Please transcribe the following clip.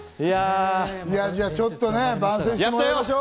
ちょっと番宣してもらいましょう。